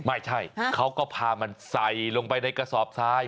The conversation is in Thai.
ไม่ใช่เขาก็พามันใส่ลงไปในกระสอบทราย